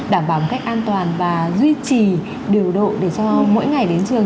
đảm bảo một cách an toàn và duy trì điều độ để cho mỗi ngày đến trường